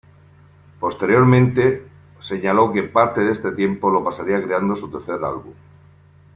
Posteriormente, señaló que parte de este tiempo lo pasaría creando su tercer álbum.